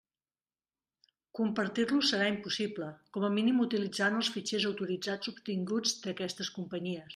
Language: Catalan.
Compartir-los serà impossible, com a mínim utilitzant els fitxers autoritzats obtinguts d'aquestes companyies.